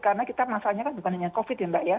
karena kita masalahnya bukan hanya covid ya mbak ya